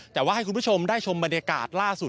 แต่ว่าให้คุณผู้ชมได้ชมบรรยากาศล่าสุด